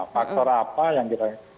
faktor apa yang kita